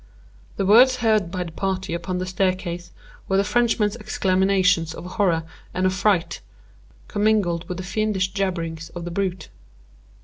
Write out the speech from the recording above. The words heard by the party upon the staircase were the Frenchman's exclamations of horror and affright, commingled with the fiendish jabberings of the brute.